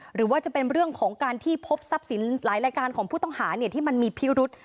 หรือว่าจะเป็นเรื่องของการที่พบทรัพย์สินหลายรายการของผู้ต้องหาที่มันมีพิรุษ